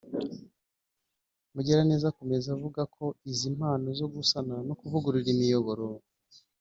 Mugiraneza akomeza avuga ko izi mpano zo gusana no kuvugurura imiyoboro